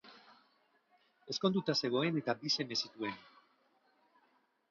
Ezkonduta zegoen eta bi seme zituen.